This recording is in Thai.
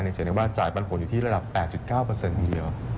ในเฉพาะจ่ายปันผลอยู่ที่ระดับ๘๙เปอร์เซ็นต์ทีเดียว